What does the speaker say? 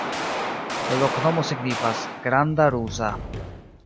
La loknomo signifas: granda rusa.